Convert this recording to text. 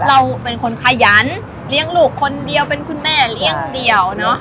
เราเป็นคนขยันเลี้ยงลูกคนเดียวเป็นคุณแม่เลี้ยงเดี่ยวเนอะ